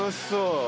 そう。